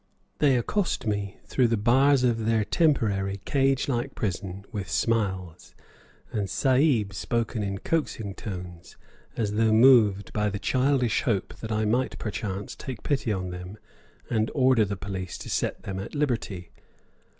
They accost me through the bars of their temporary, cage like prison with smiles, and "Sahib" spoken in coaxing tones, as though moved by the childish hope that I might perchance take pity on them and order the police to set them at liberty.